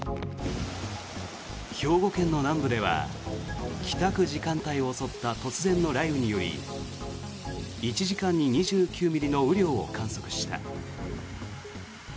兵庫県の南部では帰宅時間帯を襲った突然の雷雨により１時間に２９ミリの雨量を観測した。